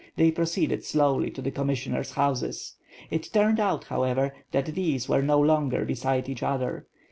They proceeded slowly to the commissioners' houses. It turned out, however, that these were no longer beside each other.